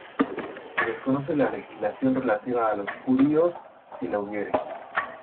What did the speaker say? Se desconoce la legislación relativa a los judíos si la hubiere.